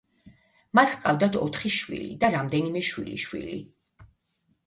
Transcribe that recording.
მათ ჰყავდათ ოთხი შვილი და რამდენიმე შვილიშვილი.